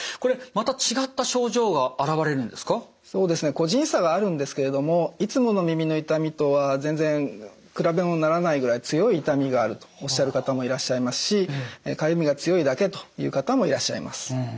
個人差があるんですけれどもいつもの耳の痛みとは全然比べものにならないぐらい強い痛みがあるとおっしゃる方もいらっしゃいますしかゆみが強いだけという方もいらっしゃいます。